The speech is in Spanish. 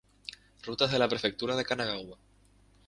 Rutas de la Prefectura de Kanagawa.